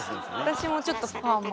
私もちょっとパーマ。